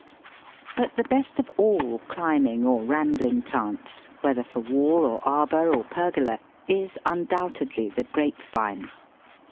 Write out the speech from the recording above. But the best of all climbing or rambling plants, whether for wall or arbour or pergola, is undoubtedly the Grape Vine.